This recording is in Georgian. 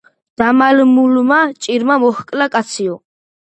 დამალულმა ჭირმა მოჰკლა კაციო.